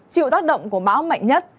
chịu tác động của bão mạnh nhất